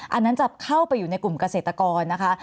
อันนั้นจะเข้าไปอยู่ในกลุ่มเกษตรกรนะคะ